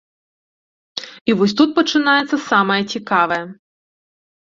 І вось тут пачынаецца самае цікавае.